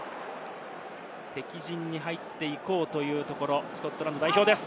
敵陣に入っていこうというところ、スコットランド代表です。